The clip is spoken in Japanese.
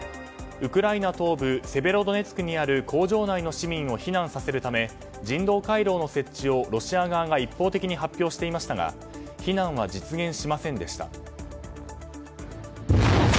ウクライナ東部セベロドネツクにある工場内の市民を避難させるため人道回廊の設置を、ロシア側が一方的に発表していましたが避難は実現しませんでした。